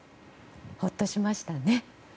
ほっとしましたね。